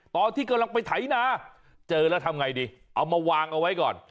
ตอนที่กำลังไปไถนาเจอแล้วทำไงดีเอามาวางเอาไว้ก่อน